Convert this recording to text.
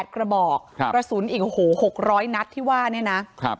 ๘กระบอกประสุนอีกหกร้อยนัดที่ว่าเนี่ยนะ